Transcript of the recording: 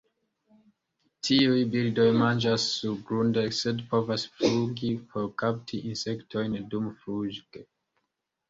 Tiuj birdoj manĝas surgrunde, sed povas flugi por kapti insektojn dumfluge.